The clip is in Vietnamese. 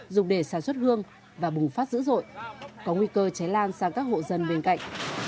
dùng để sản xuất hương và bùng phát dữ dội có nguy cơ cháy lan sang các hộ dân bên cạnh